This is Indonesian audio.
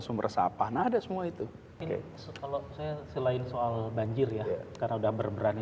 sumber sapah nada semua itu oke kalau saya selain soal banjir ya karena udah berberani